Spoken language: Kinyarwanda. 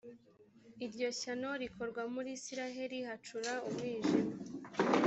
iryo shyano rikorwa muri israheli hacura umwijima,